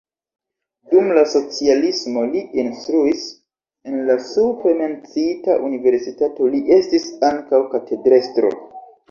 Dum la socialismo li instruis en la supre menciita universitato, li estis ankaŭ katedrestro.